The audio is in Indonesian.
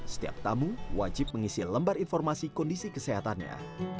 setiap tamu wajib mengisi lembar informasi kondisi kesehatannya